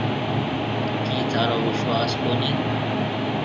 ڪِي ٿارو وشواس ڪونَي۔